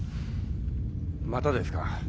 またですか。